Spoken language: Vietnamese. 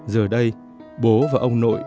giờ đây bố và ông nội